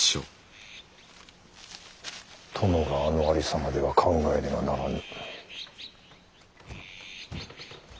殿があのありさまでは考えねばならぬ。